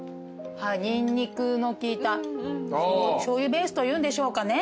ニンニク効いたしょうゆベースというんでしょうかね。